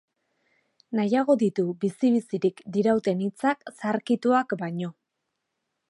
Nahiago ditu bizi-bizirik dirauten hitzak zaharkituak baino.